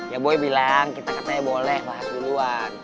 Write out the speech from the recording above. ya boleh bilang kita katanya boleh bahas duluan